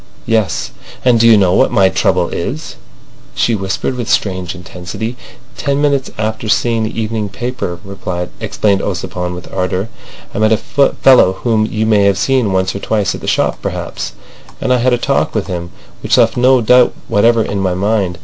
"Yes." "And do you know what my trouble is?" she whispered with strange intensity. "Ten minutes after seeing the evening paper," explained Ossipon with ardour, "I met a fellow whom you may have seen once or twice at the shop perhaps, and I had a talk with him which left no doubt whatever in my mind.